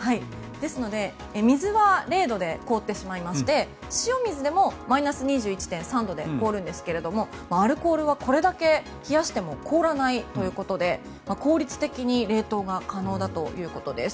ですので水は０度で凍ってしまいまして塩水でもマイナス２１．３度で凍るんですけどアルコールはこれだけ冷やしても凍らないということで効率的に冷凍が可能だということです。